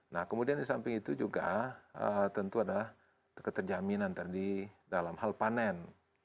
nah kemudian di samping itu juga tentu ada keterjaminan tadi dalam hal panen